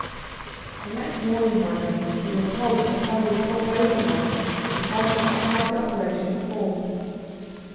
The next morning, however, we were told that the family had talked over the matter and decided not to have the operation performed.